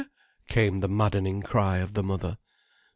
came the maddening cry of the mother.